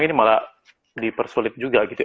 ini malah dipersulit juga gitu